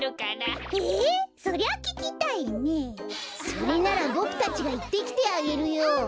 それならボクたちがいってきてあげるよ。